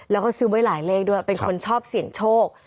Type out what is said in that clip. แล้วก็ซื้อไว้หลายเลขด้วยเป็นคนชอบเสี่ยงโชค